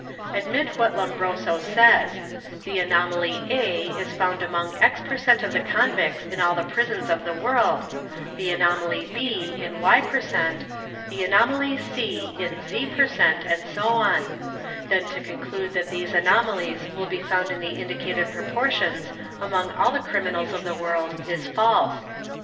Admit what Lombroso says: The anomaly A is found among «% of the convicts in all the prisons of the world, the anomaly B in y %, the anomaly C in z % and so on; then to conclude that these anom 'alies will be found in the indicated proportions among all the criminals of the world, is false.